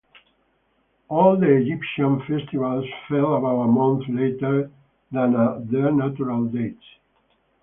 All the Egyptian festivals fell about a month later than their natural dates.